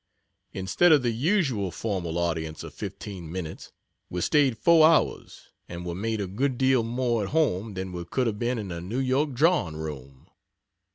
Instead of the usual formal audience of 15 minutes, we staid 4 hours and were made a good deal more at home than we could have been in a New York drawing room.